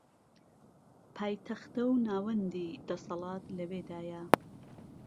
پایتەختە و ناوەندی دەسەڵات لەوێدایە